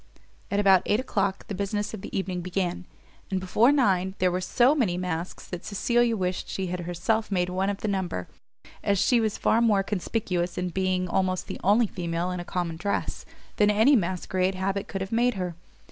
At about eight o'clock the business of the evening began; and before nine, there were so many masks that Cecilia wished she had herself made one of the number, as she was far more conspicuous in being almost the only female in a common dress, than any masquerade habit could have made her.